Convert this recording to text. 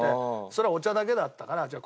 それはお茶だけだったからじゃあ